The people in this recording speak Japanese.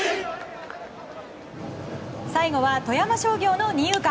最後は富山商業の二遊間。